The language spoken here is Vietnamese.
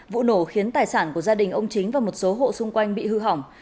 vụ nổ khiến tài sản của gia đình ông chính và một số hộ xung quanh bị hư hỏng